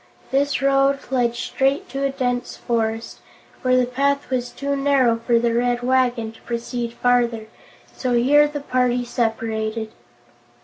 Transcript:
This road led straight to a dense forest, where the path was too narrow for the Red Wagon to proceed farther, so here the party separated.